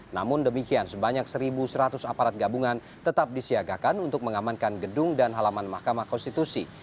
namun demikian sebanyak satu seratus aparat gabungan tetap disiagakan untuk mengamankan gedung dan halaman mahkamah konstitusi